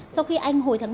sau khi anh hồi tháng ba